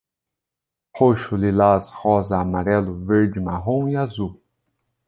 Roxo, lilás, rosa, amarelo, verde, marrom e azul